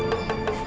ayah kan pakai motor